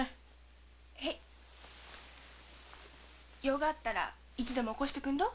用があったらいつでも起こしてくんろ！